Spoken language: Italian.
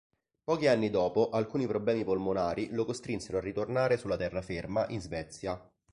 Pochi anni dopo, alcuni problemi polmonari lo costrinsero a ritornare sulla terraferma in Svezia.